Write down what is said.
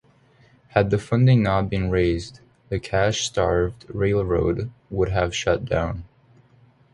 Had the funding not been raised, the cash-starved railroad would have shut down.